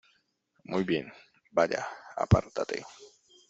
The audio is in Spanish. Muy bien. Vaya, apártate .